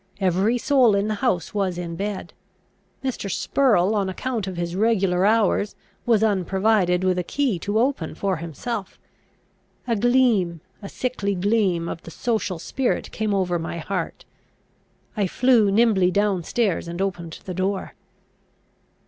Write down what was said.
Every soul in the house was in bed. Mr. Spurrel, on account of his regular hours, was unprovided with a key to open for himself. A gleam, a sickly gleam, of the social spirit came over my heart. I flew nimbly down stairs, and opened the door.